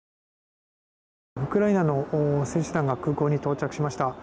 ウクライナの選手団が空港に到着しました。